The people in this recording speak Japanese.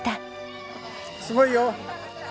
すごいよ。